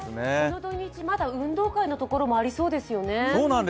この土日、運動会のところもまだありそうですよね。